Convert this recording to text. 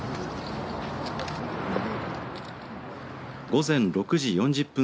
午前６時４０分